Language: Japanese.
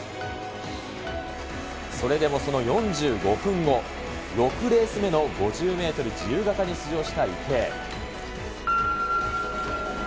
それでもその４５分後、６レース目の５０メートル自由形に出場した池江。